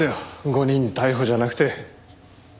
誤認逮捕じゃなくて。